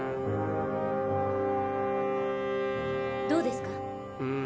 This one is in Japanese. どうですか？